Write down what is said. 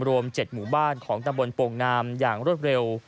รวม๗หมู่บ้านของตำบลโป่งงามอย่างรวดเร็ว